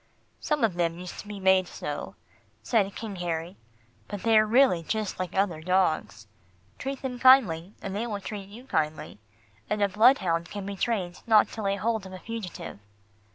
"Some of them used to be made so," said King Harry, "but they are really just like other dogs. Treat them kindly, and they will treat you kindly, and a bloodhound can be trained not to lay hold of a fugitive."